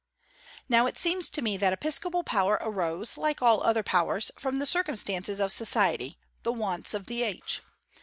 Now it seems to me that episcopal power arose, like all other powers, from the circumstances of society, the wants of the age.